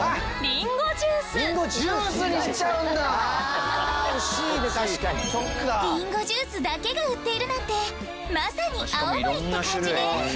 りんごジュースだけが売っているなんてまさに青森って感じね。